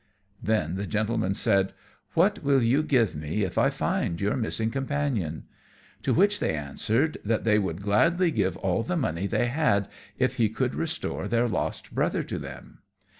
Then the Gentleman said, "What will you give me if I find your missing companion?" To which they answered, that they would gladly give all the money they had if he could restore their lost brother to them.